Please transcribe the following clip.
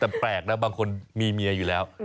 แต่แปลกนะบางคนมีเมียอยู่แล้ว